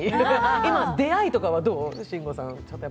今、出会いとかはどう？